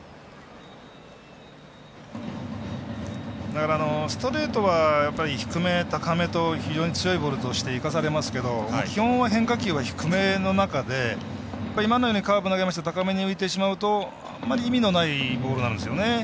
だからストレートは低め、高めと非常に強いボールとしていかされますけど基本は変化球、低めの中で今のようにカーブ投げて高めに浮いてしまうとあんまり意味のないボールなんですよね。